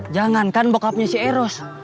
jangan kan bokapnya si eros